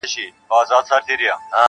په توره شپه کي د رڼا د کاروان لاري څارم,